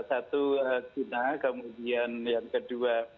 satu china kemudian yang kedua